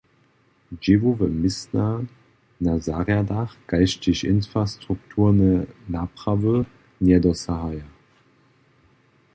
Dźěłowe městna na zarjadach kaž tež infrastrukturne naprawy njedosahaja.